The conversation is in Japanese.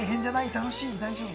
楽しい、大丈夫？